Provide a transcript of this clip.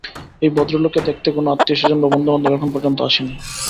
এই ভদ্রলোককে দেখতে কোনো আত্মীয়স্বজন বা বন্ধুবান্ধব এখন পর্যন্ত আসেনি।